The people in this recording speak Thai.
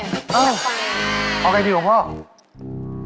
เออเอาไงดีของพ่อ